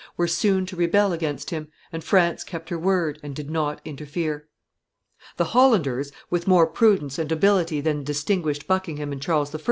were soon to rebel against him: and France kept her word and did not interfere. The Hollanders, with more prudence and ability than distinguished Buckingham and Charles I.